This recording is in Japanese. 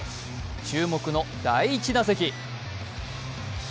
注目の第１打席。